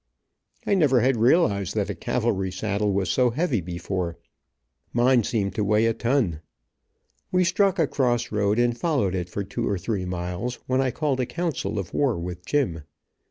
I never had realized that a cavalry saddle was so heavy, before. Mine seemed to weigh a ton. We struck a cross road, and followed it for two or three miles, when I called a council of war, with Jim.